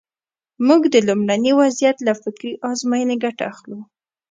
موږ د لومړني وضعیت له فکري ازموینې ګټه اخلو.